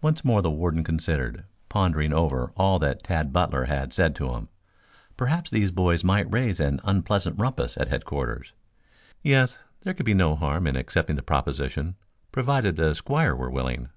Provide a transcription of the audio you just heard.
Once more the warden considered, pondering over all that Tad Butler had said to him. Perhaps these boys might raise an unpleasant rumpus at headquarters. Yes, there could be no harm in accepting the proposition provided the squire were willing.